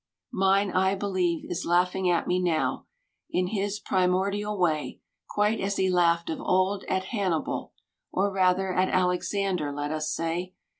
Mine, I beUeve, is laughing at me now In his primordial way. Quite as he laughed of old at Hannibal, Or rather at Alexander, let us say.